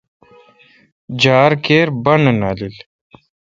جار کیر بانہ نالیل۔